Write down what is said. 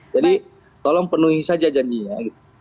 jadi tolong penuhi saja janjinya